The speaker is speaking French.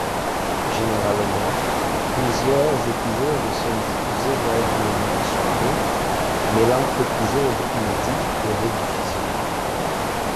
Généralement, plusieurs épisodes sont diffusées lors d'une même soirée, mêlant épisodes inédits et rediffusions.